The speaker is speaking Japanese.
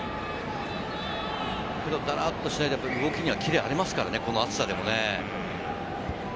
だらっとしないで動きにキレがありますからね、この暑さでもね。